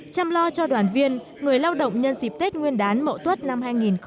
chăm lo cho đoàn viên người lao động nhân dịp tết nguyên đán mộ tuất năm hai nghìn một mươi tám